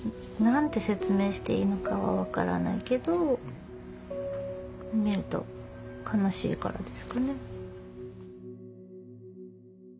何て説明していいのかは分からないけど見ると悲しいからですかね。